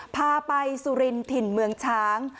พาไปสุรินถิ่นเมืองช้าง